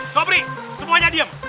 sobri semuanya diem